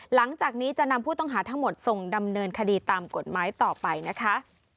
หลังจากนี้จะนำผู้ต้องหาทั้งหมดส่งดำเนินคดีตามกฎหมายต่อไปนะคะ